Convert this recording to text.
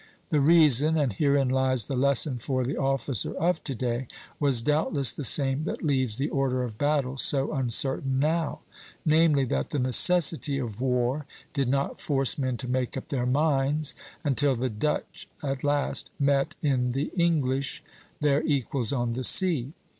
The reason and herein lies the lesson for the officer of to day was doubtless the same that leaves the order of battle so uncertain now; namely, that the necessity of war did not force men to make up their minds, until the Dutch at last met in the English their equals on the sea.